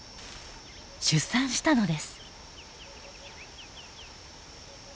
出産したのです。